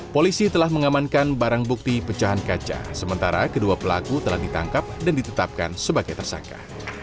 polisi telah mengamankan barang bukti pecahan kaca sementara kedua pelaku telah ditangkap dan ditetapkan sebagai tersangka